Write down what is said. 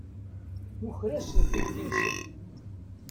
Nuker-asen tikti-nsen.